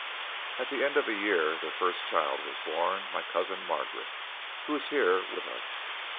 At the end of a year their first child was born my cousin Margaret, who is here with us.